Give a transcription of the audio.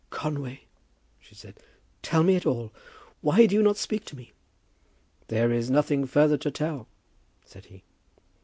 "Conway," she said, "tell it me all. Why do you not speak to me?" "There is nothing further to tell," said he.